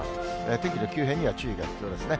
天気の急変には注意が必要ですね。